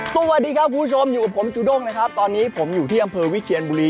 สวัสดีครับคุณผู้ชมอยู่กับผมจูด้งนะครับตอนนี้ผมอยู่ที่อำเภอวิเชียนบุรี